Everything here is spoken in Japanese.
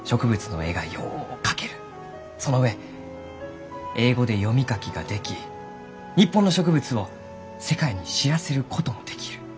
その上英語で読み書きができ日本の植物を世界に知らせることもできる。